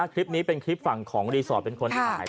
คลิปนี้เป็นคลิปฝั่งของรีสอร์ทเป็นคนถ่าย